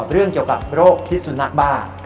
เรื่องเกี่ยวกับโรคพิษสุนัขบ้า